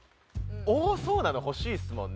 多そうなの欲しいですもんね。